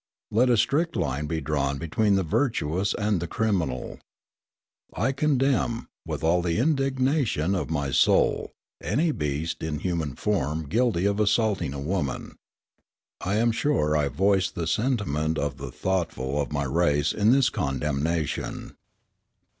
Let a strict line be drawn between the virtuous and the criminal. I condemn, with all the indignation of my soul, any beast in human form guilty of assaulting a woman. I am sure I voice the sentiment of the thoughtful of my race in this condemnation.